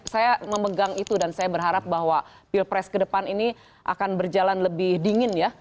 saya memegang itu dan saya berharap bahwa pilpres ke depan ini akan berjalan lebih dingin ya